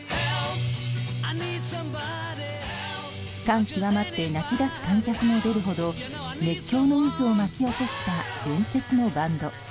感極まって泣き出す観客も出るほど熱狂の渦を巻き起こした伝説のバンド。